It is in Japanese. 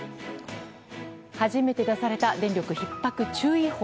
初めて出された電力ひっ迫注意報。